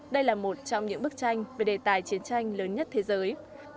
đây là một trong những bức tranh về đề tài chiến tranh lớn nhất của hội cựu chiến binh